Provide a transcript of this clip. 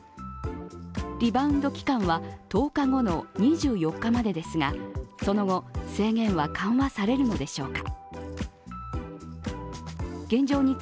リバウンド期間は１０日後の２４日までですがその後制限は緩和されるのでしょうか。